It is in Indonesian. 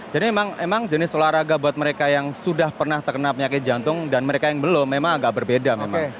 jadi memang jenis olahraga buat mereka yang sudah pernah terkena penyakit jantung dan mereka yang belum memang agak berbeda memang